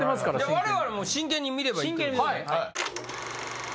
我々も真剣に見ればいいですね。